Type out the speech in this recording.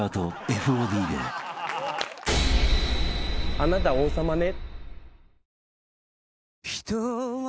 あなた王様ね。